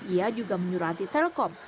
ia juga menyurati telekom